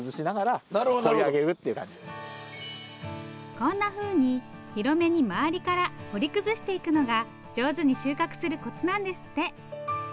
こんなふうに広めに周りから掘り崩していくのが上手に収穫するコツなんですって。